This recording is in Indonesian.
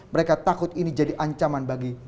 mereka takut ini jadi ancaman bagi